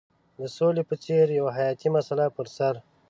د سولې په څېر یوه حیاتي مسله پر سر.